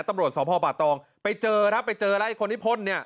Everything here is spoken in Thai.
ตำรวจสปป่าตองไปเจอแล้วคนที่พ่นเนี่ย